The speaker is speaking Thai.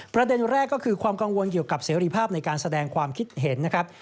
ประเด็นแรกก็คือความกังวลเกี่ยวกับเสรีภาพในการแสดงความคิดเห็นนะครับ